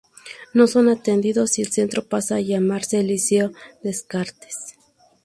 No son atendidos y el centro pasa a llamarse "liceo Descartes".